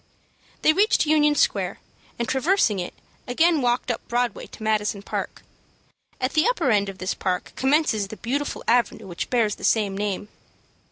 They reached Union Square, and, traversing it, again walked up Broadway to Madison Park. At the upper end of this park commences the beautiful avenue which bears the same name.